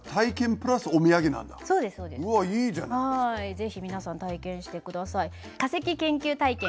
是非皆さん体験してください。